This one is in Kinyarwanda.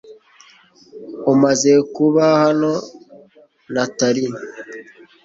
umaze kuba hano, natalie